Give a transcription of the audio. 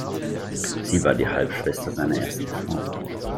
Sie war die Halbschwester seiner ersten Frau.